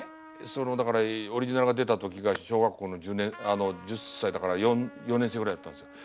そのだからオリジナルが出た時が小学校の１０歳だから４年生ぐらいだったんですよ。